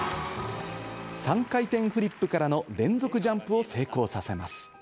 ３回転フリップからの連続ジャンプを成功させます。